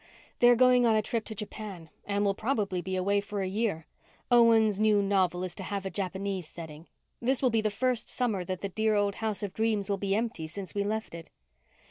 They are going on a trip to Japan and will probably be away for a year. Owen's new novel is to have a Japanese setting. This will be the first summer that the dear old House of Dreams will be empty since we left it."